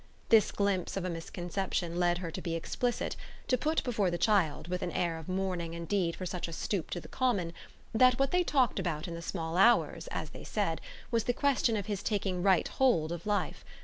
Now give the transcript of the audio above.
This glimpse of a misconception led her to be explicit to put before the child, with an air of mourning indeed for such a stoop to the common, that what they talked about in the small hours, as they said, was the question of his taking right hold of life.